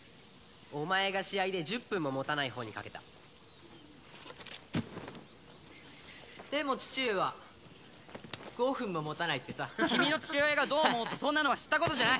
お前が試合で１０分も持たない方に賭けたでも父上は５分も持たないってさ君の父親がどう思おうとそんなのは知ったことじゃない！